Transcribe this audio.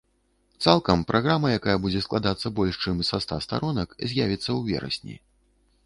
Цалкам праграма, якая будзе складацца больш чым са ста старонак, з'явіцца ў верасні.